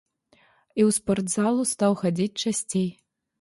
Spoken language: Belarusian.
І ў спартзалу стаў хадзіць часцей.